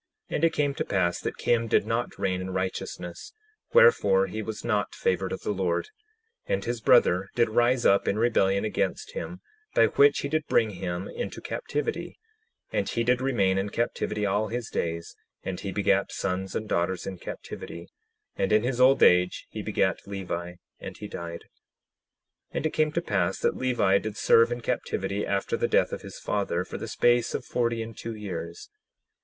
And it came to pass that Kim did not reign in righteousness, wherefore he was not favored of the Lord. 10:14 And his brother did rise up in rebellion against him, by which he did bring him into captivity; and he did remain in captivity all his days; and he begat sons and daughters in captivity, and in his old age he begat Levi; and he died. 10:15 And it came to pass that Levi did serve in captivity after the death of his father, for the space of forty and two years.